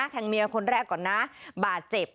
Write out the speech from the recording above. แทงเมียคนแรกก่อนนะบาดเจ็บ